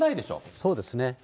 そうですね。